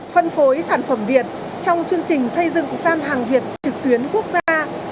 phân phối sản phẩm việt trong chương trình xây dựng gian hàng việt trực tuyến quốc gia